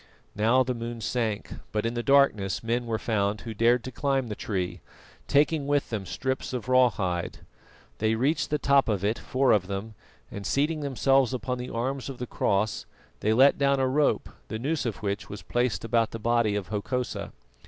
Now the moon sank, but in the darkness men were found who dared to climb the tree, taking with them strips of raw hide. They reached the top of it, four of them, and seating themselves upon the arms of the cross, they let down a rope, the noose of which was placed about the body of Hokosa.